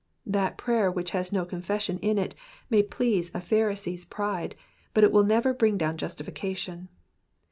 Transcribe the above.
That prayer which has no confession in it may please a Pharisee^s pride, but will never bring down justification.